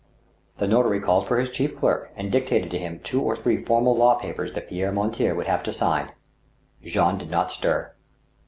The notary called for his chief clerk and dictated to him two or three formal law papers that Pierre Mortier would have to sign. Jean did not stir.